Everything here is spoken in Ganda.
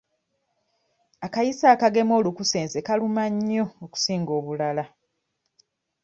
Akayiso akagema olukusense kaluma nnyo okusinga obulala.